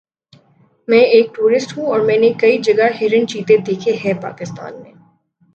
میں ایک ٹورسٹ ہوں اور میں نے کئی جگہ ہرن چیتے دیکھے ہے پاکستان میں